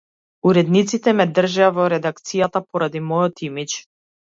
Уредниците ме држеа во редакцијата поради мојот имиџ.